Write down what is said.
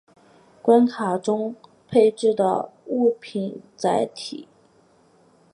关卡中配置的物品载体。